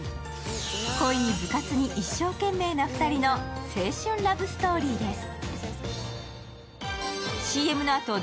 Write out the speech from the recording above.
恋に部活に一生懸命な２人の青春ラブストーリーです。